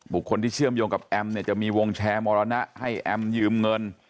บุคคลที่เชื่อมโยงกับแอมเนี่ยจะมีวงแชร์มรณะให้แอมยืมเงิน